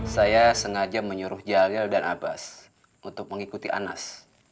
saya sengaja menyuruh jalil dan abbas untuk mengikuti anas